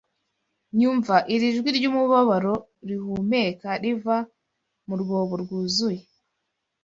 Yumva iri jwi ryumubabaro rihumeka riva mu rwobo rwuzuye.